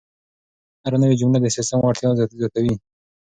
هره نوې جمله د سیسټم وړتیا زیاتوي.